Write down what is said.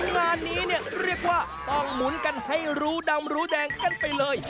งานนี้เนี่ยเรียกว่าต้องหมุนกันให้รู้ดำรู้แดงกันไปเลย